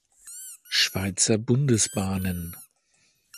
Schweizer Bundesbahnen